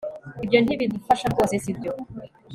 Ibyo ntibidufasha rwose sibyo